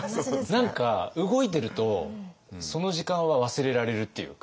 何か動いてるとその時間は忘れられるっていうか。